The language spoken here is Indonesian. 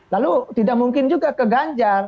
lalu tidak mungkin juga ke ganjar